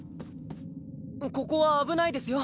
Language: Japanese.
ここは危ないですよ。